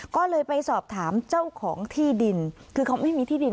ก็เลยไปสอบถามเจ้าของที่ดินคือเขาไม่มีที่ดิน